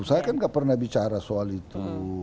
saya kan gak pernah bicara soal itu